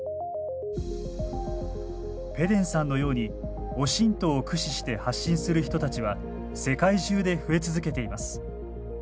ぺデンさんのようにオシントを駆使して発信する人たちは世界中で増え続けています。